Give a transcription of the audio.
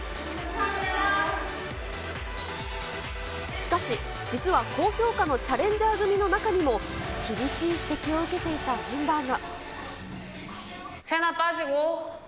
しかし、実は高評価のチャレンジャー組の中にも、厳しい指摘を受けていたメンバーが。